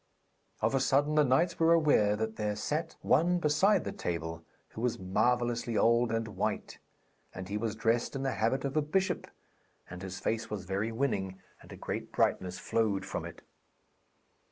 Of a sudden the knights were aware that there sat one beside the table who was marvellously old and white; and he was dressed in the habit of a bishop, and his face was very winning, and a great brightness flowed from it.